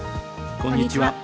こんにちは。